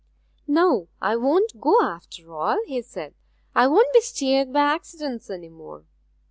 'No, I won't go, after all,' he said. 'I won't be steered by accidents any more.'